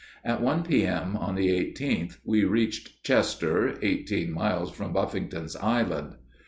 At 1 P.M. on the 18th we reached Chester, eighteen miles from Buffington's Island.